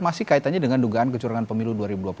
masih kaitannya dengan dugaan kecurangan pemilu dua ribu dua puluh